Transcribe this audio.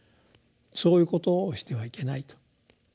そういうことをしてはいけないと。